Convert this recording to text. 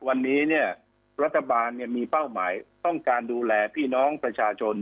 วันนี้เนี่ยรัฐบาลมีเป้าหมายต้องการดูแลพี่น้องประชาชน